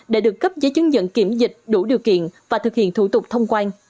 để được cấp giấy chứng nhận kiểm dịch đủ điều kiện và thực hiện thủ tục thông quan